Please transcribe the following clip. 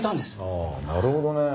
ああなるほどね。